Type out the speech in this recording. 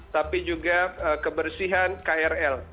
tapi juga kebersihan krl